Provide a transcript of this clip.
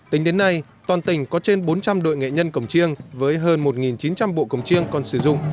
tính đến nay toàn tỉnh có trên bốn trăm linh đội nghệ nhân cổng chiêng với hơn một chín trăm linh bộ cổng chiêng còn sử dụng